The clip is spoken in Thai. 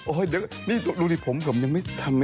โอ้โหเดี๋ยวนี่ดูนี่ผมผมยังทำไม่เสร็จเลยเนี่ย